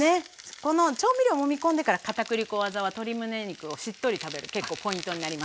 この調味料をもみ込んでから片栗粉技は鶏むね肉をしっとり食べる結構ポイントになります。